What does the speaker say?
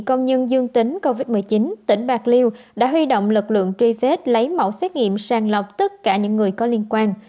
công nhân dương tính covid một mươi chín tỉnh bạc liêu đã huy động lực lượng truy vết lấy mẫu xét nghiệm sàng lọc tất cả những người có liên quan